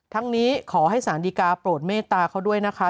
นี้ขอให้สารดีกาโปรดเมตตาเขาด้วยนะคะ